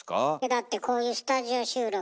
だってこういうスタジオ収録でもさ。